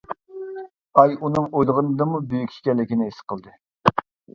ئاي ئۇنىڭ ئويلىغىنىدىنمۇ بۈيۈك ئىكەنلىكىنى ھېس قىلدى.